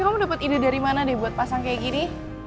kamu dapat ide dari mana deh buat pasang kayak gini